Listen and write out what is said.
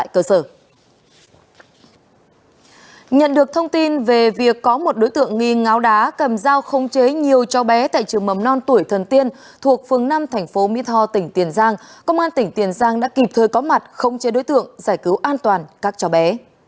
công an tỉnh tiền giang đã kịp thời có mặt không chế đối tượng giải cứu an toàn các cháu bé